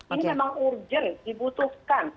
ini memang urgent dibutuhkan